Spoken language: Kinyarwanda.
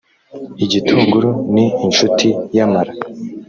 Igitunguru ni inshuti y’amara